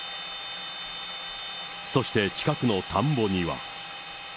そして近くの田んぼには。